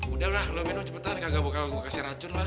udah lah lo minum cepetan gak bakal gue kasih racun lah